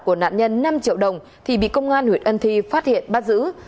của nạn nhân năm triệu đồng thì bị công an huyện ân thi phát hiện bắt giữ